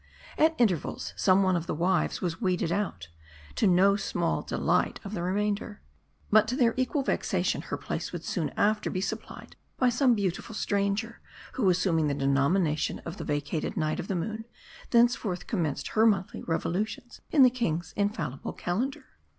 At intervals, some one of the wives was weeded out, to the no small delight of the remainder ; but to their equal vexation her place would soon after be supplied by some beautiful stranger ; who assuming the denomination of the vacated Night of the Moon, thenceforth commenced her monthly revolutions in the king's infallible calendar.